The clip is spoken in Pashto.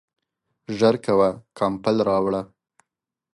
ژر کوه ، کمپل راوړه !